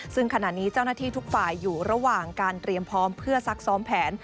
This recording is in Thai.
ซึ่งขณะนี้เจ้าหน้าที่ทุกฝ่ายอยู่ระหว่างการเตรียมพร้อมเพื่อซักซ้อมแผน